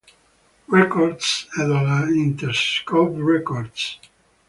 Records e dalla Interscope Records.